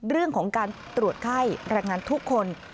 เรื่องของการตรวจไข้แรงงานทุกคน